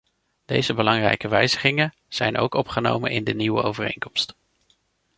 Deze belangrijke wijzigingen zijn ook opgenomen in de nieuwe overeenkomst.